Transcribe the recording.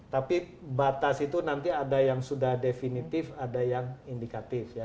tapi batas itu nanti ada yang sudah definitif ada yang indikatif ya